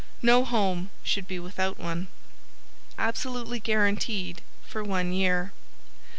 No home should be without one. Absolutely guaranteed for one year.